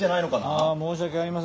ああ申し訳ありませんね